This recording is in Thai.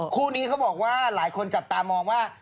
คู่นี้เขาบอกว่าหลายคนจับตามองว่า